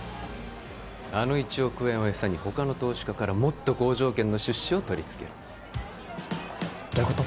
あの１億円を餌に他の投資家からもっと好条件の出資を取りつけるどういうこと？